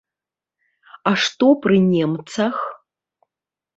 А што пры немцах?